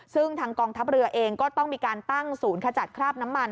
ซึ่งทางกองทัพเรือเองก็ต้องมีการตั้งศูนย์ขจัดคราบน้ำมัน